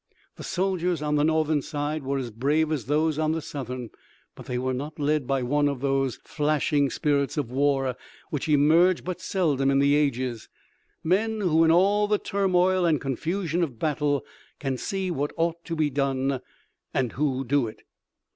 The soldiers on the Northern side were as brave as those on the Southern but they were not led by one of those flashing spirits of war which emerge but seldom in the ages, men who in all the turmoil and confusion of battle can see what ought to be done and who do it.